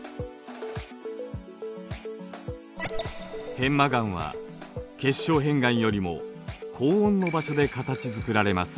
片麻岩は結晶片岩よりも高温の場所で形づくられます。